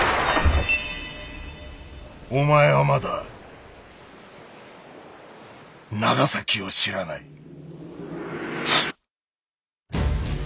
お前はまだ長崎を知らない。